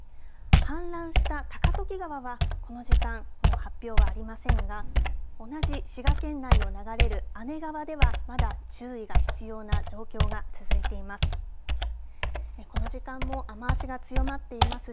氾濫した高時川は、この時間、もう発表はありませんが、同じ滋賀県内を流れるあね川ではまだ注意が必要な状況が続いています。